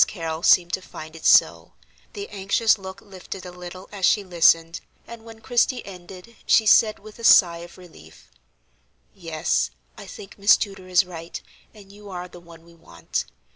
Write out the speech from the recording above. Carrol seemed to find it so; the anxious look lifted a little as she listened, and when Christie ended she said, with a sigh of relief: "Yes, I think Miss Tudor is right, and you are the one we want.